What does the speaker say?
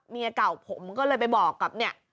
เมียเก่าผมก็เลยไปบอกกับเนี่ย